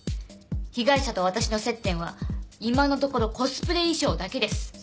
被害者と私の接点は今のところコスプレ衣装だけです。